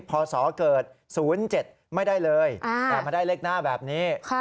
พศเกิด๐๗ไม่ได้เลยแต่มาได้เลขหน้าแบบนี้